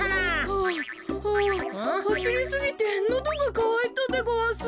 はあはあはしりすぎてのどがかわいたでごわす。